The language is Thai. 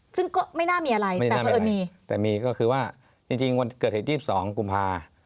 ซึ่งก็ไม่น่ามีอะไรมีอะไรแต่มีก็คือว่าจริงจริงเวลาเกิดเทศยี่สองกุมภาษณ์